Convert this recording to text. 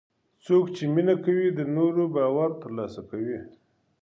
څوک چې مینه کوي، د نورو باور ترلاسه کوي.